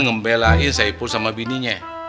ngembelain si ipul sama bininya